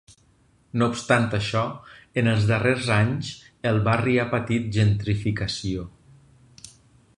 No obstant això, en els darrers anys, el barri ha patit gentrificació.